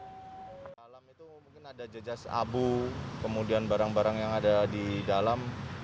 di dalam itu mungkin ada jejas abu kemudian barang barang yang ada di dalam